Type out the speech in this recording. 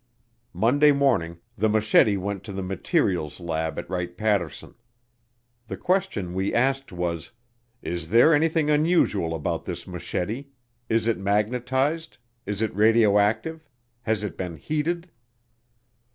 Monday morning the machete went to the materials lab at Wright Patterson. The question we asked was, "Is there anything unusual about this machete? Is it magnetized? Is it radioactive? Has it been heated?"